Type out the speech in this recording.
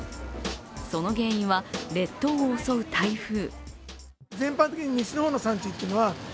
その原因は列島を襲う台風。